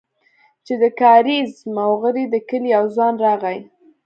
چې د کاريز موغري د کلي يو ځوان راغى.